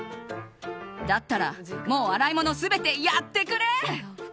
だったら、洗い物全てやってくれ！